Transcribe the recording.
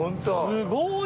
すごい！